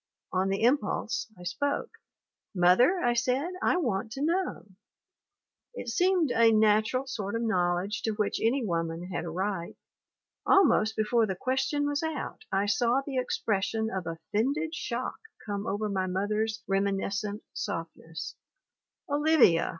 ... On the impulse I spoke. " 'Mother/ I said, 'I want to know ...?' "It seemed a natural sort of knowledge to which any woman had a right. Almost before the question was out I saw the expression of offended shock come over my mother's reminiscent softness. ..." 'Olivia